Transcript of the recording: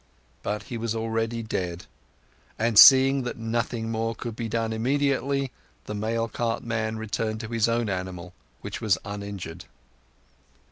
But he was already dead, and, seeing that nothing more could be done immediately, the mail cart man returned to his own animal, which was uninjured.